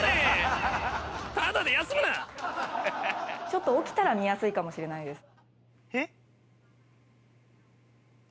ちょっと起きたら見やすいかもしれないです。